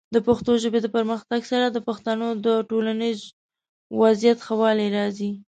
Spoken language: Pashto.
د پښتو ژبې د پرمختګ سره، د پښتنو د ټولنیز وضعیت ښه والی راځي.